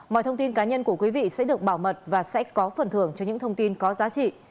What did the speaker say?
mọi thông tin cá nhân của quý vị sẽ được bảo mật và sẽ có phần thưởng cho những thông tin có giá trị